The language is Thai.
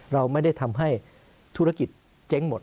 เราไม่ได้ทำให้ธุรกิจเจ๊งหมด